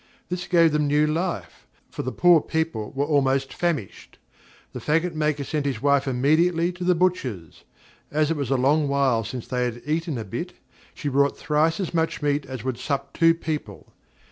This gave them new life; for the poor people were almost famished. The faggot maker sent his wife immediately to the butcher's. As it was a long while since they had eaten a bit, she bought thrice as much meat as would sup two people.